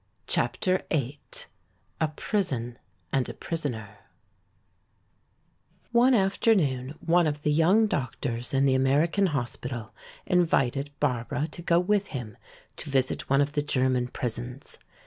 CHAPTER VIII A Prison and a Prisoner One afternoon one of the young doctors in the American hospital invited Barbara to go with him to visit one of the German prisons.